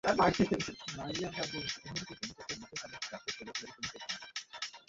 অন্যদিকে ডেমোক্র্যাটদের মধ্যে স্যান্ডার্স চার ভোট পেলেও হিলারি কোনো ভোট পাননি।